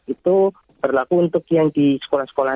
itu berlaku untuk yang di sekolah sekolah